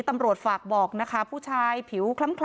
ตำรวจฝากบอกนะคะผู้ชายผิวคล้ำ